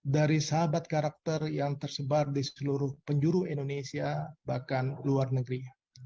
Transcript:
dari sahabat karakter yang tersebar di seluruh penjuru indonesia bahkan luar negeri